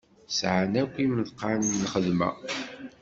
Sɛan akk imeḍqan n lxedma.